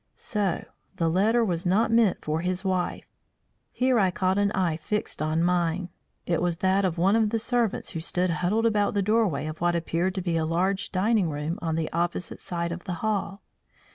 So! the letter was not meant for his wife. Here I caught an eye fixed on mine. It was that of one of the servants who stood huddled about the doorway of what appeared to be a large dining room on the opposite side of the hall.